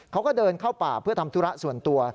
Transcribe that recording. เขาก็เดินเข้าป่าเพื่อทำธุระส่วนตัว